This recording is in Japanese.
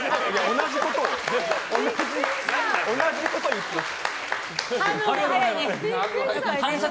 同じこと言ってる。